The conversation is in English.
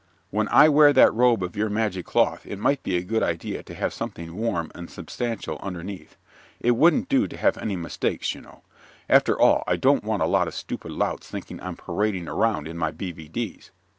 When I wear that robe of your magic cloth it might be a good idea to have something warm and substantial underneath. It wouldn't do to have any mistakes, you know. After all, I don't want a lot of stupid louts thinking I'm parading around in my B. V. D.'